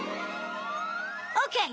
オッケー！